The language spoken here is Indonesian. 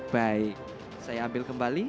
baik saya ambil kembali